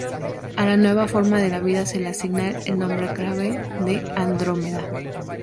A la nueva forma de vida se le asigna el nombre clave de Andrómeda.